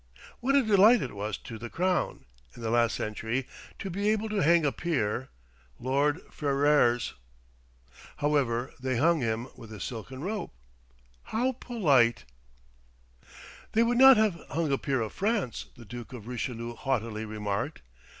What a delight it was to the crown, in the last century, to be able to hang a peer, Lord Ferrers! However, they hung him with a silken rope. How polite! "They would not have hung a peer of France," the Duke of Richelieu haughtily remarked.